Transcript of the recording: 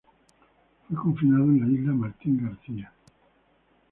Fue confinado en la isla Martín García.